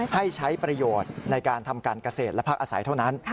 ให้ใช้ประโยชน์ในการทำการเกษตรและพักอาศัยเท่านั้น